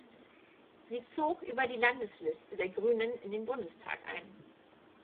Sie zog über die Landesliste der Grünen in den Bundestag ein.